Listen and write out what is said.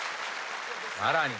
さらに。